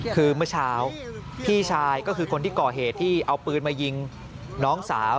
คือเมื่อเช้าพี่ชายก็คือคนที่ก่อเหตุที่เอาปืนมายิงน้องสาว